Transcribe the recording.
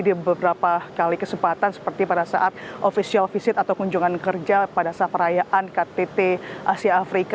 jadi beberapa kali kesempatan seperti pada saat official visit atau kunjungan kerja pada saat perayaan ktt asia afrika